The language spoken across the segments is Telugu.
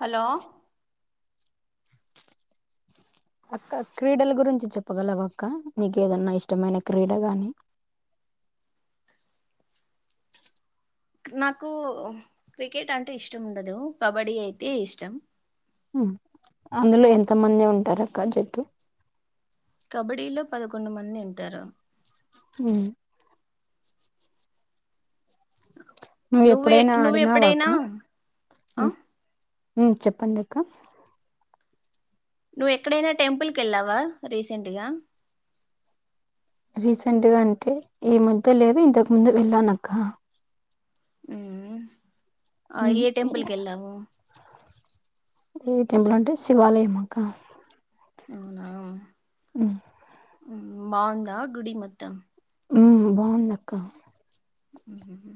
హలో అక్క క్రీడలు గురించి చెప్పగలవ అక్క నీక ఏదన్నా ఇష్టమైన క్రీడ గాని నాకు క్రికెట్ అంటే ఇష్టం ఉండదు కబడ్డీ అయితే ఇష్టం మ్మ్ అందులో ఎంత మంది ఉంటారు అక్క జట్టు కబడ్డీలో పదకొండు మంది ఉంటారు మ్మ్ నువ్వు నువ్వే ఎప్పుడైనా నువ్వు ఆడినావాక ఎప్పుడైనా ఆ హ్ మ్మ్ చెప్పండి అక్క నువ్వు ఎక్కడైనా టెంపుల్ కెళ్ళావా రీసెంట్ గా రీసెంట్గా అంటే ఈ మధ్య లేదు ఇంతకు ముందు వెళ్ళానక్క ఉమ్ ఆ ఏ టెంపుల్ కెళ్ళావు ఏ టెంపుల్ అంటే శివాలయం అక్క అవునా ఉమ్ బావుందా గుడి మొత్తం. ఉమ్ బాగుందక్క. ఉహుహు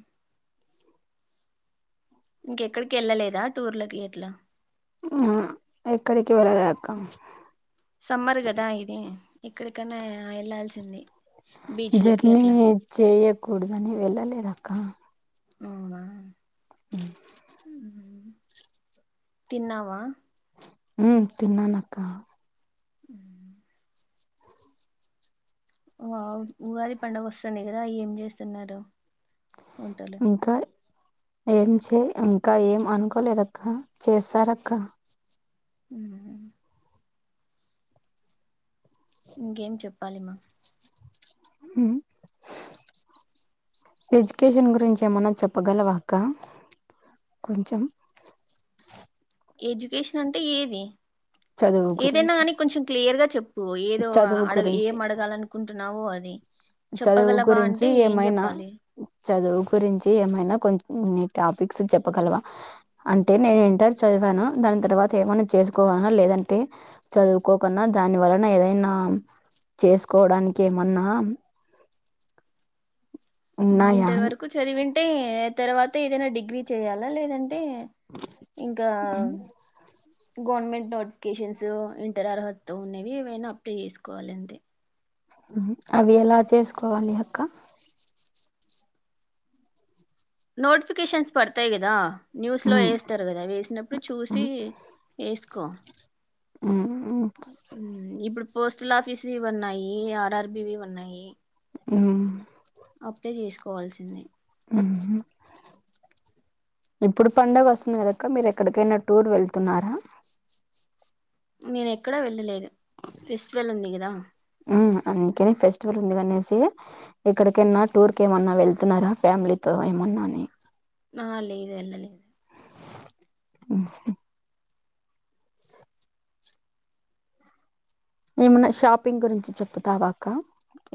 ఇంకెక్కడికి ఎళ్ళలేదా టూర్లకి అట్లా ఆ ఎక్కడికి వెళ్ళలేదక్క సమ్మర్ గదా ఇది ఎక్కడికన్నా వెళ్లాల్సింది. జర్నీ చేయ కూడదని వెళ్ళలేదక్క అవునా ఉమ్ మ్మ్. తిన్నావా ఉమ్ తిన్నానక్క ఉమ్ వ ఉగాది పండగ వస్తాంది కదా ఏం చేస్తున్నారు? వంటలు ఇంకా ఏం చే ఇంకా ఏం అనుకోలేదక్క, చేస్తారక్క ఊహు ఇంకేం చెప్పాలిమా ఉమ్, ఎడ్యుకేషన్ గురించి ఏమన్నా చెప్పగలవా అక్క, కొంచెం ఎడ్యుకేషన్ అంటే ఏది చదువు ఏదైనా గురించి గానీ కొంచెం క్లియర్ గా చెప్ పూ ఏదో చదువు అడ ఏం గురించి అడగాలనుకుంటున్నావో అది, చదువు చెప్పగలవా గురించి అంటే ఏం ఏమైనా చెప్పాలి. న్ టాపిక్స్ చెప్పగలవా, అంటే నేను ఇంటర్ చదివాను దాని తర్వాత ఏమన్నా చేసుకోగలన, లేదంటే చదువుకోకున్నా దాని వలన న్న ఏదైనా చేసుకోవడానికి ఏమన్నా ఉన్నాయా ఇంటర్ అని వరకు చదివింటే తర్వాత ఏదైనా డిగ్రీ చేయాలి. లా లేదంటే ఇంకా గవర్నమెంట్ నోటిఫికేషన్స్ ఇంటర్ అర్హత తో ఉన్నవి ఏవైనా అప్లై చేసుకోవాలి అంతే. అవి ఎలా చేసుకోవాలి అక్క? నోటిఫికషన్స్ పడతాయి గదా న్యూస్ లో ఏస్తరు గదా, అవేసినప్పుడు చూసి వేస్ కు ఉమ్ ఉమ్ ఇప్పుడు పోస్టల్ ఆఫీస్ ఇవి ఉన్నాయి, ఆర్ ఆర్ బి వి ఉన్నాయి ఉమ్ అప్పుడే చేస్ కోవాల్సింది మ్ ఇప్పుడు పండగొస్తుంది కదాక్క మీరు ఎక్కడికైనా టూర్ వెళ్తున్నారా నేనెక్కడా వెళ్ళలేదు ఫెస్టివల్ ఉంది గదా అందుకనే ఫెస్టివల్ ఉంది అనేసి ఇక్కడికైనా టూర్ కేమన్నా వెళ్తున్నారా ఫ్యామ్లీతో ఏమన్నా అని ఆ లేదు ఎళ్ళల ఉహు ఏమన్నా షాపింగ్ గురించి చెప్తావాక్క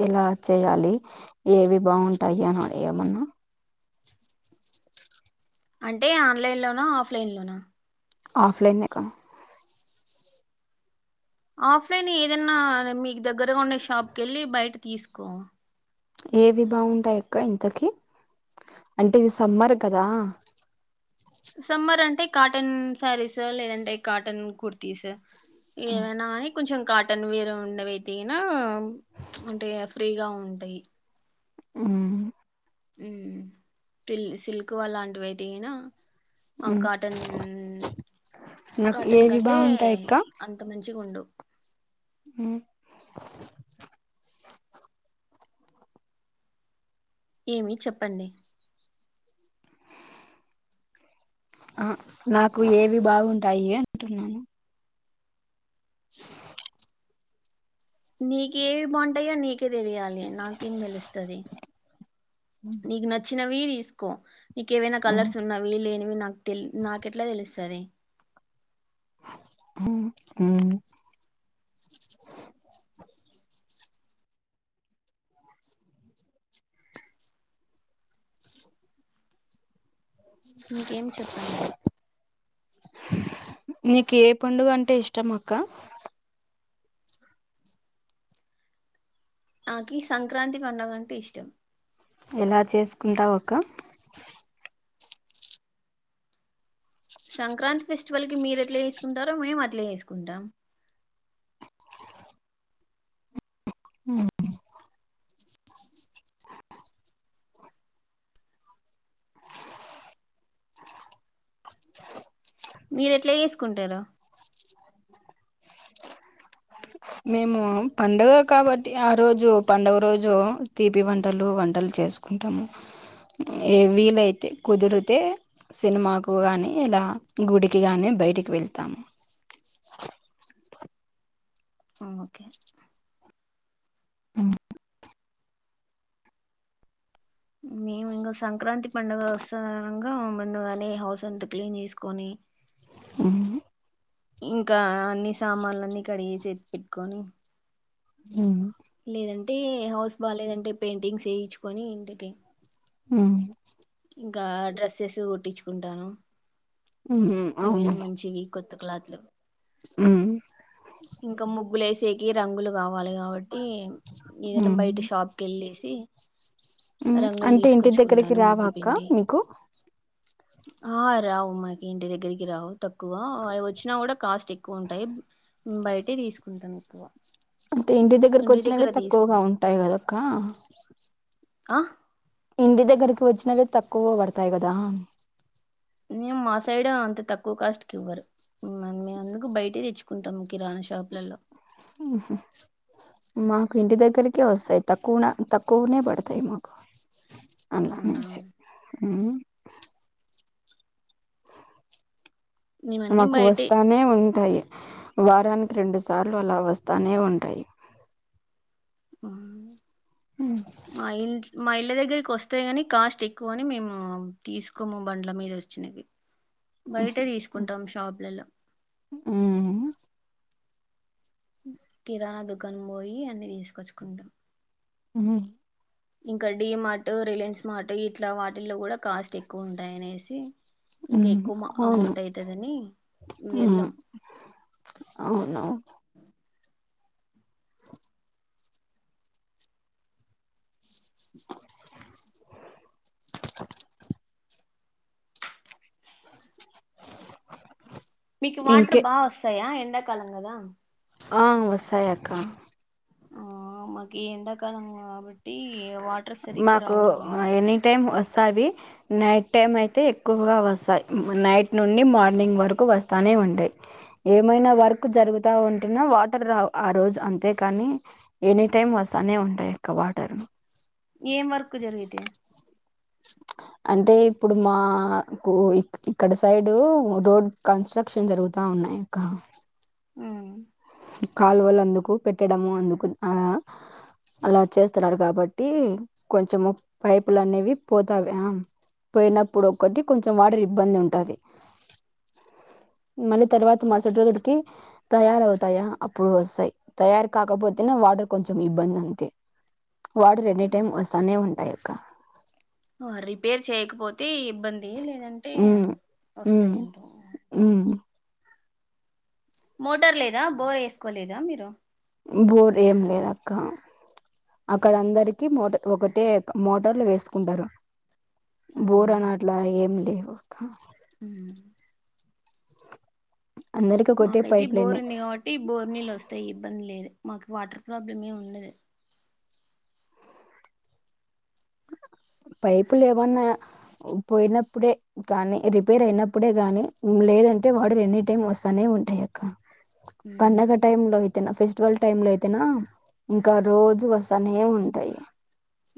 ఎలా చేయాలి ఏవి బాగుంటాయి అని ఏమన్నా అంటే ఆన్లైన్ లోనా హఫ్ లైన్ లోనా ఆఫ్లైనేకా ఆఫ్లైన్ ఏదన్నా మీక్ దగ్ గరగా ఉన్న షాప్కెళ్ళి బయట్ తీస్కో ఏవి బాగుంటాయ్ అక్క ఇంతకి అంటే ఇది సమ్మర్ కదా సమ్మర్ అంటే కాటన్ శారీస్ లేదంటె కాటన్ కుర్తీస్ ఏవనాని కొంచెం కాటన్ వేర్ ఉండవి ఐతేనా అంటే ఫ్రీగా ఉంటయ్ ఉమ్ ల్ సిల్క్ వళంటివి ఐతే ఐనా అ ఉమ్ కాటన్ నాకు కాటన్ ఏవి కంటే బాగుంటాయి అంత మంచిగుండవ్ ఉ ఏమి చెప్పండి అ నాకు ఏవి బాగుంటాయి అంటున్నాను [inaudible] నీకేవి బావుంటాయో నీక్ తెలియాలి నాకేం తెలుస్తది నీకు నచ్చిన్ చ్చినవీ తీస్కో నీకేవైనా ఉమ్ కలర్స్ ఉన్నవి లేనివి నా తె నాకేట్ల తెలుస్తది ఉ ఉ ఇంకెం చెప్పండి నీకే పండుగంటే ఇష్టమక్క నాకి సంక్రాంతి పడుగంటే ఇష్టం ఎలా చేసుకుంటావ్ అక్క సంక్రాంతి ఫెస్టివల్ కి మీరేట్ల చేస్కుంటారో మేమ్ అట్లే చేస్కుంటాం మీరేట్ల చేస్కుంటరు మేము పండుగ కాబట్టి ఆ రోజు పండుగ రోజు తీపి వంటలు వంటలు చేస్కుంటమ్ ఏ వీలైతే కుదిరితే సినిమాకు గాని ఇలా గుడికి గాని బయటికి వెళ్తామ్ ఓకె అ మేమిగా సంక్రాంతి పండుగవస్సాదనం మ్ గా ముందుగానే హౌస్ అంతా క్లీన్ చేసుకొని ఉహు ఇంకా అన్ని సామాన్లన్నీ కడిగేసి ఎత్తి పెట్టుకొని ఉహ్ టే హౌస్ బాలేదంటే పెయింటింగ్స్ వేయిచుకొని ఇంటికి ఉమ్ ఇంకా డ్రెస్సెస్ కుట్టిచుకుంటాను మ్మ్ హు అవును త్ క్లాత్లు ఇంక ముగ్గులేసి [unintelligible] రంగులు కావాలిగా కాబట్టి ఏదైనా బయట షాప్ కి వెళ్ళేసి రంగులు తీసుకొచ్చుకుంటాను ముగ్గు కా పిండి మీకు ఆ రావు మాకి ఇంటి దగ్గరికి రావు తక్కువ అవి వచ్చినా కూడా కాస్ట్ ఎక్కువ ఉంటాయి బయట తీసుకుంటాం ఎక్కువ అంటే ఇంటి దగ్గరకు ఇంటిడి వచ్చినవే దగ్గర తీసుకో తక్కువగా ఉంటాయి కదక్క ఆ ఇంటి దగ్గరకి వచ్చినవే తక్కువ పడతాయి కదా [unintelligible] మా సైడ్ అంత తక్కువ కాస్ట్ కి ఇవ్వరు మేముందుకు బయట తెచ్చుకుంటాము కిరాణా షాపులలో మాకు ఇంటి దగ్గరికే వస్తాయి తక్కువనా తక్కువనే పడతాయి మాకు అవునా [unintelligible] మ్మ్ మేమన్నీ మాకు బయటే వస్తానే ఉంటాయి వారానికి రెండు సార్లు అలా వస్తానే ఉంటాయి [inaudible] మా ఇం మా ఇళ్ల దగ్గర దగ్గరికి వస్తా కాని కాస్ట్ ఎక్కువ అని మేము తీసుకోము బండ్ల మీద వచ్చినవి బయటే తీసుకుంటాం షాపులో కిరాణా దుకాణ పోయి అన్ని తీసుకొచ్చుకుంటాం మ్మ్ ఇంకా డి మార్ట్ రిలయన్స్ మార్ట్ ఇట్లా వాటిల్లో కూడా కాస్ట్ ఎక్కువ ఉంటాయనేసి ఇంకా ఎక్కుమ అవును అమౌంట్ అయితదని వెళ్ళం. అవును మీకు వాటర్ ఇంకే బాగా వస్సాయా ఎండా కాలం గదా ఆ వస్సాయక్క ఆ మాకి ఎండాకాలం కాబ ట్టి వాటర్ సరిగ్గా రావడం లేదు అవి నైట్ టైం అయితే ఎక్కువగా వస్తాయి నైట్ నుండి మార్నింగ్ వరకు వస్తనే ఉంటాయి ఏమైనా వర్క్ జరుగుత ఉంటున్నా వాటర్ రావు ఆ రోజు అంతేకాని ఎనీ టైం వస్తనే ఉంటాయి అక్క వాటర్ ఏం వర్కు జరిగితే అంటే ఇప్పుడు మా కు ఇక్కడ సైడ్ రోడ్ కన్స్ట్రక్షన్ జరుగుతా ఉన్నాయి అక్క ఉ కాలువలు అందుకు పెట్టడము అందుకు ఆ అలా చేస్తున్నారు కాబట్టి కొంచెము పైపులు అనేవి పోతావి పోయినప్పుడు ఒకటి కొంచెం వాటర్ ఇబ్బంది ఉంటది మళ్ళీ తర్వాత మరుసటి రోజుడికి తయారవు తయ అప్పుడు వస్తాయి తయారు కాకపోతేనా వాటర్ కొంచెం ఇబ్బంది అంతే వాటార్ ఎని టైమ్ వస్తానే ఉం టాయి అక్క రిపేర్ చేయకపోతే ఇబ్బంది లేదంటే ఉమ్ ఉమ్ వస్తాయి అంటు ఉమ్ మోటార్ లేదా బోర్ ఎసుకోలేదా మీరు బోర్ ఏం లేదక్క అక్కడ అందరికి మోటు ఒకటే మోటార్లు వేసుకుంటరు బోర్ అనాట్లా ఏం లేవు ఒక ఉహు అందరికి ఒకటే మాకైతే పైప్ బోర్ లైనే ఉంది కాబట్టి బోర్ నీళ్ళు వస్తాయి ఇబ్బంది లేదు మాకు వాటర్ ప్రాబ్లం ఏం ఉండదు పైపులు ఏమన్నా పోయినప్పుడే కానీ రిపేర్ అయినప్పుడే గానీ లేదంటే వాటర్ ఎని టైమ్ వస్తానే ఉంటాయి అక్క పండగ ఉమ్ టైమ్ లో అయితేనా ఫెస్ స్టివల్ టైమ్ లో అయితేనా ఇంకా రోజు వసనే ఉంటాయి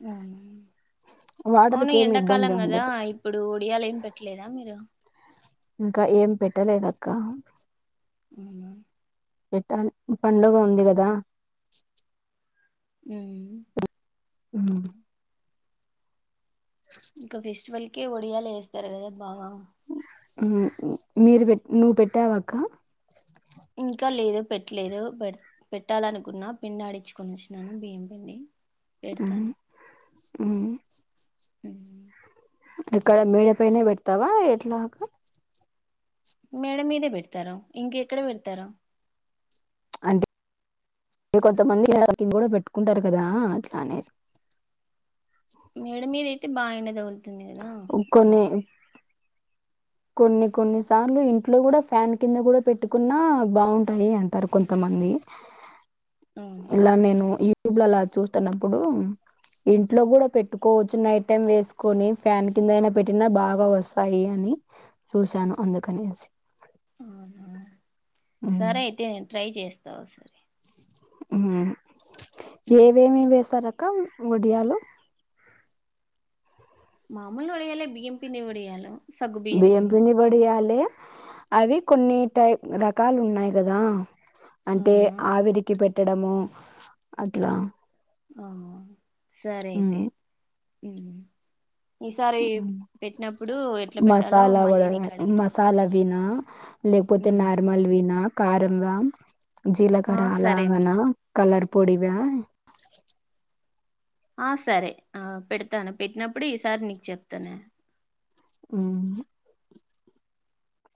అవునా అవును వాటర్కి ఏమి ఎండాకాలం ఇబ్బంది కదా ఉండదు ఇప్పుడు ఒడియాలు ఏం పెట్టలేదా మీరు ఇంకా ఏం పెట్టలేదక్క ఉందా పెట్టాలి ఈ పండుగ ఉంది కదా ఆ ఉ ఇంకా ఫెస్టివల్ కే ఒడియాలేస్తరు కద బాగా మీరు పెట్ నువ్వు పెట్టావాక్క ఇంకా లేదు పెట్టలేదు పెడుత్ పెట్టాలనుకున్న పిండి ఆడిచ్చుకొని వచ్చినాను బియ్యం పిండి పెడతాను అవు వెళ్ళి ఇక్కడ మేడ పైనే పెడతావా ఎట్లా అక్క మేడ మీదే పెడతారు ఇంకెక్కడ పెడతారు అంటే కొంతమంది [unintelligible] కూడా పెట్టుకుంటారు కదా అట్లా అనేసి మేడ మీద అయితే బాగ ఎండ తగుల్ తుంది కదా కొన్ని అందుకు కొన్ని కొన్ని సార్లు ఇంట్లో కూడా ఫ్యాన్ కింద కూడా పెట్టుకున్నా బాగుంటాయి అంటారు. కొంతమంది అవునా ఇలా నేను ఈ ట్యూబ్ లలా చూస్తున్నప్పుడు ఇంట్లో కూడా పెట్టుకోవచ్చు నైట్ టైమ్ వేసుకొని ఫ్యాన్ కింద అయినా పెట్టినా బాగా వస్సాయి అని, చూశాను అందుకనేసి అవునా మ్మ్ సరే అయితే నేను ట్రై చేస్తా ఒసారి హ్మ్ ఏవేమి చేసరు అక్ వడియాలు మామూలు ఉడయాలే బియ్యం పిండి ఉడయాలు బియం పిండి వడియాల అవి కొన్ని టై రకాలు ఉన్నాయి కదా అంటే అవునా ఆవిరికి పెట్టి పెట్టడము అట్లా ఆ సరే ఉమ్ అయితే హ్మ్ ఎట్లా పెట్టాలో మసాలా మళ్ళీ కూడా నీకు అడుగుతాలే మసాలా వినా లేకపోతే నార్మల్ వినా కారం వ ఆ జీలకర సరేమ్మా అలాగనా కలర్ పొడివ ఆ సరే ఆ పెడతాను పెట్టినప్పుడు ఈసారి నీకు చెప్తానే అ